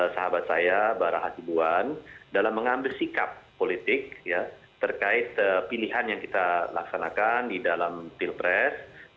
sahabat saya barah hasibuan dalam mengambil sikap politik terkait pilihan yang kita laksanakan di dalam pilpres